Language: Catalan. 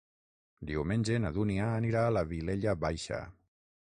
Diumenge na Dúnia anirà a la Vilella Baixa.